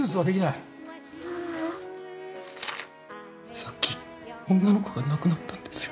さっき女の子が亡くなったんですよ。